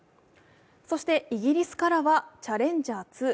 そしてイギリスからはチャレンジャー２。